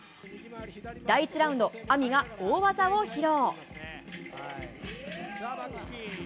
第１ラウンド、ＡＭＩが大技を披露。